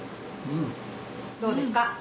どうですか？